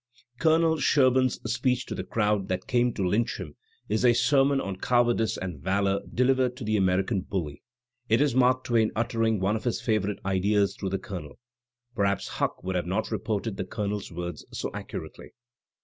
Colonel Sherbum's speech to the crowd that came to ^ lynch him is a sermon on cowardice and valour delivered to .^ the American bully. It is Mark Twain uttering one of his favourite ideas through the Colonel. (Perhaps Huck would ,jaot have reported the Colonel's words so accurately.)